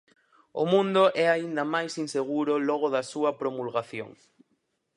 O mundo é aínda máis inseguro logo da súa promulgación.